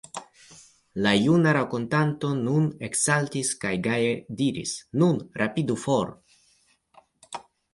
La juna rakontanto nun eksaltis kaj gaje diris: Nun rapidu for.